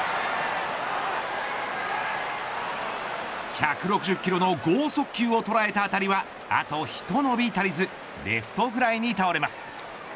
１６０キロの剛速球を捉えた当たりはあとひと伸び足りずレフトフライに倒れます。